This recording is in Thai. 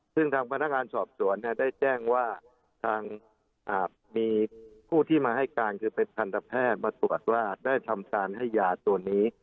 ซึ่งทางพนักงานสอบสวนได้แจ้งว่าทางมีผู้ที่มาให้การคือเป็นทันตแพทย์มาตรวจว่าได้ทำการให้ยาตัวนี้